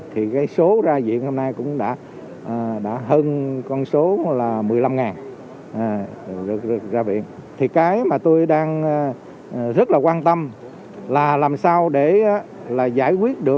thì số ra diễn hôm nay cũng đã hơn con số một mươi năm